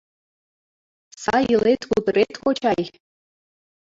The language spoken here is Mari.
Сай илет-кутырет, кочай?